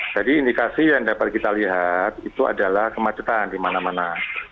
jadi indikasi yang dapat kita lihat itu adalah kemacetan di mana mana